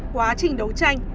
quá trình đấu tranh